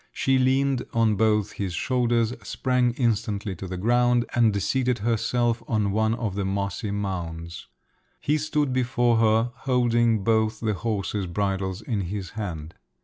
She leaned on both his shoulders, sprang instantly to the ground, and seated herself on one of the mossy mounds. He stood before her, holding both the horses' bridles in his hand.